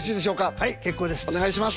はい結構です。